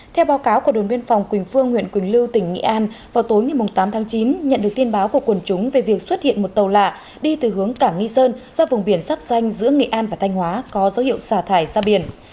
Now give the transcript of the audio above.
theo báo cáo của đồn biên phòng quỳnh phương huyện quỳnh lưu tỉnh nghệ an vào tối ngày tám tháng chín nhận được tin báo của quần chúng về việc xuất hiện một tàu lạ đi từ hướng cảng nghi sơn ra vùng biển sắp xanh giữa nghệ an và thanh hóa có dấu hiệu xả thải ra biển